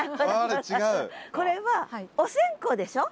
これはお線香でしょ？